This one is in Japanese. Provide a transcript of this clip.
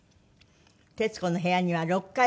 『徹子の部屋』には６回ご出演。